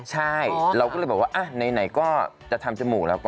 ใช่เราก็เลยบอกว่าไหนก็จะทำจมูกแล้วก็